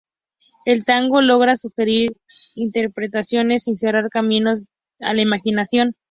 El tango logra sugerir interpretaciones sin cerrar caminos a la imaginación.